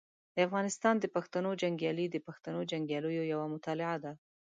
د افغانستان د پښتنو جنګیالي د پښتنو جنګیالیو یوه مطالعه ده.